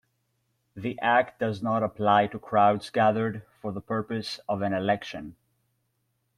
The act does not apply to crowds gathered for the purpose of an election.